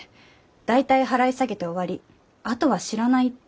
大体払い下げて終わりあとは知らないって。